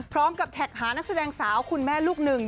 แท็กหานักแสดงสาวคุณแม่ลูกหนึ่ง